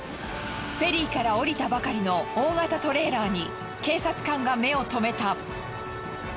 フェリーから降りたばかりの大型トレーラーに警察官が目を止めた。